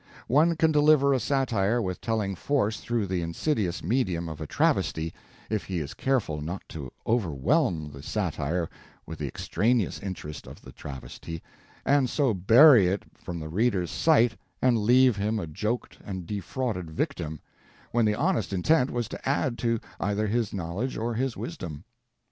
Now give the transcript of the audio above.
One can deliver a satire with telling force through the insidious medium of a travesty, if he is careful not to overwhelm the satire with the extraneous interest of the travesty, and so bury it from the reader's sight and leave him a joked and defrauded victim, when the honest intent was to add to either his knowledge or his wisdom.